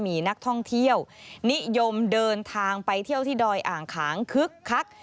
มีนักท่องเที่ยวนิยมเดินทางไปเที่ยวที่ดอยอ่างขางคึกคัก